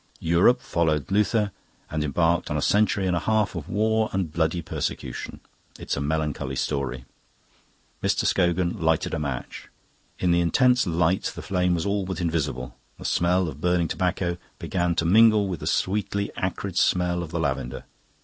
Europe followed Luther and embarked on a century and a half of war and bloody persecution. It's a melancholy story." Mr. Scogan lighted a match. In the intense light the flame was all but invisible. The smell of burning tobacco began to mingle with the sweetly acrid smell of the lavender.